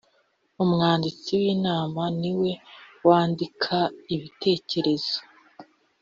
umwanditsi w ‘inama niwe wandika ibitecyerezo.